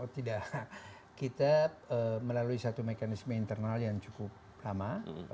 tidak kita melalui satu mekanisme internal yang cukup lama